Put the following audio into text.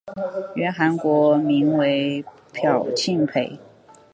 原韩国名为朴庆培。